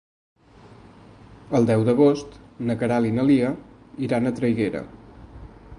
El deu d'agost na Queralt i na Lia iran a Traiguera.